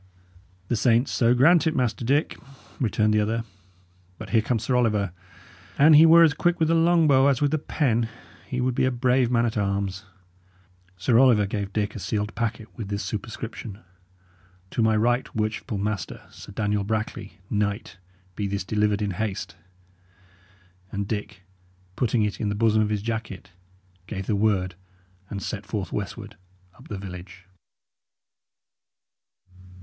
"The saints so grant it, Master Dick!" returned the other. "But here comes Sir Oliver. An he were as quick with the long bow as with the pen, he would be a brave man at arms." Sir Oliver gave Dick a sealed packet, with this superscription: "To my ryght worchypful master, Sir Daniel Brackley, knyght, be thys delyvered in haste." And Dick, putting it in the bosom of his jacket, gave the word and set forth westward up the village.